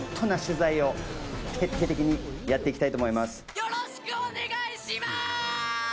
よろしくお願いします！